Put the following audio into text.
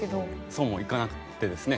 そうもいかなくてですね。